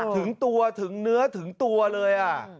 ถึงตัวถึงเนื้อถึงตัวเลย